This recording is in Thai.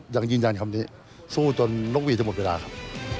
ยังยืนยันคำนี้สู้จนนกวีจะหมดเวลาครับ